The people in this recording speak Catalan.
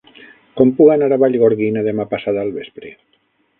Com puc anar a Vallgorguina demà passat al vespre?